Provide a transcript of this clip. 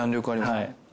はい。